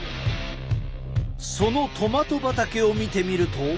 そのトマト畑を見てみると。